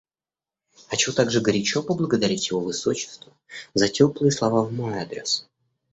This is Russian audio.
Хочу также горячо поблагодарить Его Высочество за теплые слова в мой адрес.